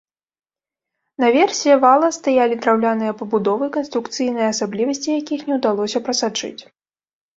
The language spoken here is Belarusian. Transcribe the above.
Наверсе вала стаялі драўляныя пабудовы, канструкцыйныя асаблівасці якіх не ўдалося прасачыць.